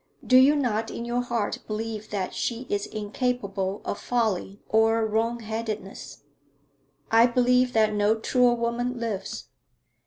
'Do you not in your heart believe that she is incapable of folly or wrongheadedness?' 'I believe that no truer woman lives.'